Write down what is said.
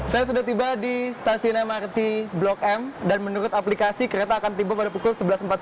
saya sudah tiba di stasiun mrt blok m dan menurut aplikasi kereta akan tiba pada pukul sebelas empat puluh